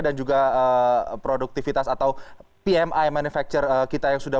dan juga produktivitas atau pmi manufacturer kita